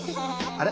あれ？